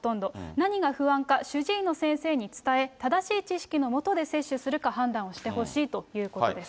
何が不安か、主治医の先生に伝え、正しい知識のもとで接種するか判断してほしいということです。